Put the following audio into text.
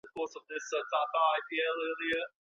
که زده کوونکی په بیړه ولیکي نو تېروتنې کوي.